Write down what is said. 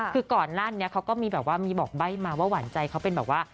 คือก่อนหน้านี้เขาก็มีแบบว่ามีบอกใบ้มาว่าหวานใจเขาเป็นแบบว่า